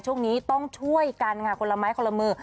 ช่วงนี้ต้องช่วยกันค่ะคนละไม้คนละมือ